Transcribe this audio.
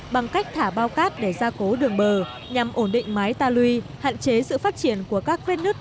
bằng cách thả bao cát để ra cố đường bờ nhằm ổn định mái ta luy hạn chế sự phát triển của các vết nứt